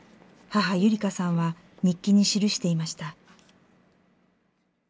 母ゆりかさんは日記に記していました。